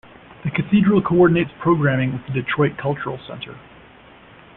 The cathedral coordinates programming with the Detroit Cultural Center.